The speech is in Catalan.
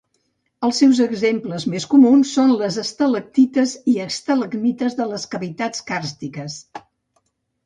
Els seus exemples més comuns són les estalactites i estalagmites de les cavitats càrstiques.